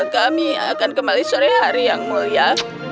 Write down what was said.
kami akan kembali sore hari yang mulia